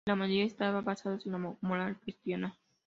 Y la mayoría estaban basados en la moral cristiana.